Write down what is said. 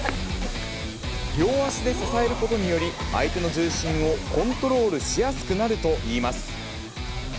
両足で支えることにより、相手の重心をコントロールしやすくなるといいます。